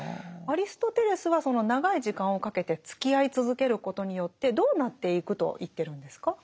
アリストテレスはその長い時間をかけてつきあい続けることによってどうなっていくと言ってるんですか？